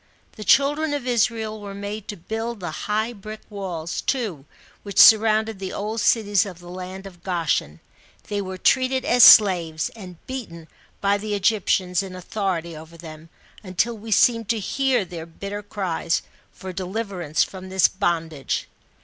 The children of Israel were made to build the high brick walls, too, which surrounded the old cities of the land of Goshen ; they were treated as slaves, and beaten by the Egyptians in authority over them, until we seem to hear their bitter cries, for de liverance from this bondage.